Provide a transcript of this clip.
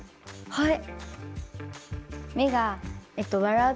はい。